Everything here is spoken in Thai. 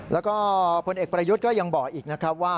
แล้วก็พลเอกประยุทธ์ก็ยังบอกอีกนะครับว่า